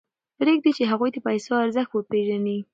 پرېږدئ چې هغوی د پیسو ارزښت وپېژني.